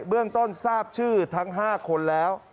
เรื่องต้นทราบชื่อทั้ง๕คนแล้ว